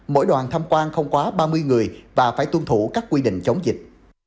mỗi đoàn tham quan không quá ba mươi người và phải tuân thủ các quy định chống dịch